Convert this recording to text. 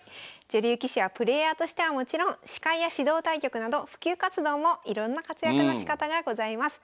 女流棋士はプレーヤーとしてはもちろん司会や指導対局など普及活動もいろんな活躍のしかたがございます。